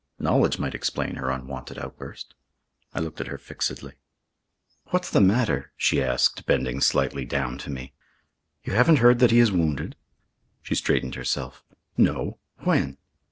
Knowledge might explain her unwonted outburst. I looked at her fixedly. "What's the matter?" she asked, bending slightly down to me. "You haven't heard that he is wounded?" She straightened herself. "No. When?"